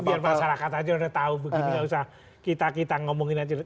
biar masyarakat aja udah tahu begini gak usah kita kita ngomongin aja